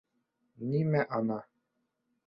— Нимә «ана»?